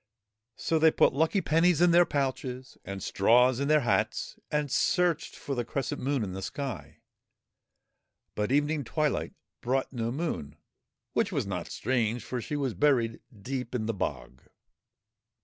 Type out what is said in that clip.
So they put lucky pennies in their pouches and straws in their hats, and searched for the crescent Moon in the sky. But evening twilight brought no Moon, which was not strange, for she was buried deep in the bog.